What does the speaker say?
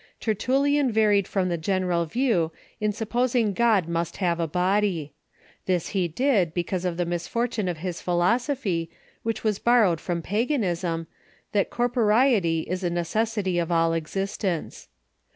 Tertullian varied from the general view in supposing God must have a body. This he did because of the misfortune of his philosophy, which was borrowed from pagan ism, that corporeity is a necessity of all existence.